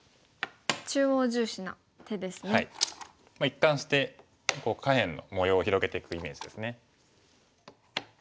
一貫して下辺の模様を広げていくイメージですね。